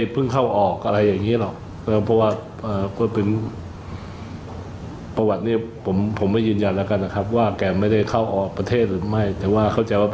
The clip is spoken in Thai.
พื้นที่เสี่ยงหรือว่าผ่านเข้าออกประเทศไทยด้วย